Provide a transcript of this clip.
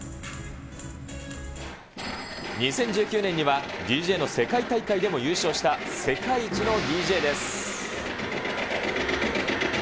２０１９年には、ＤＪの世界大会でも優勝した世界一のＤＪです。